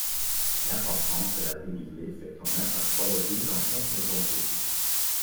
L'importance de la dénivelée fait que l'on aperçoit l'église en contre-plongée.